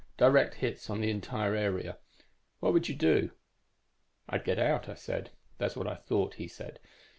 'Direct hits on the entire area. What would you do?' "'I'd get out,' I said. "'That's what I thought,' he said.